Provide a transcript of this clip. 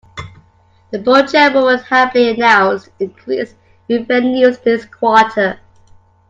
The board chairwoman happily announced increased revenues this quarter.